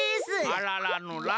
あららのら。